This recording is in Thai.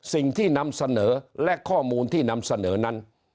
สิ่งที่นำเสนอและข้อมูลที่นำเสนอนั้น